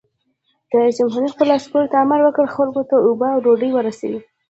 رئیس جمهور خپلو عسکرو ته امر وکړ؛ خلکو ته اوبه او ډوډۍ ورسوئ!